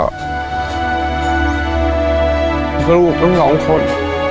และก็มีชีวิตอยู่ทุกวันหน้า